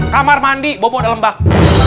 kamar mandi bobo ada lembak